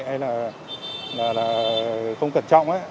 hay là không cẩn trọng